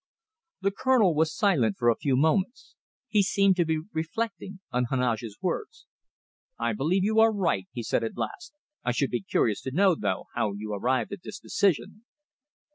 The Colonel was silent for a few moments. He seemed to be reflecting on Heneage's words. "I believe you are right," he said at last. "I should be curious to know, though, how you arrived at this decision."